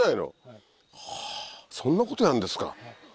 はぁそんなことやんですか。